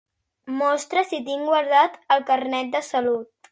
Mostrar si tinc guardat el Carnet de salut.